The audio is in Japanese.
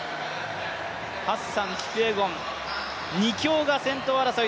ハッサン、キピエゴン、２強の争い。